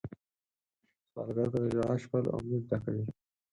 سوالګر ته د ژړا شپه له امید ډکه وي